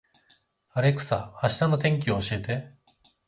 アレクサ、明日の天気を教えて